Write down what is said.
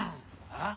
あっ！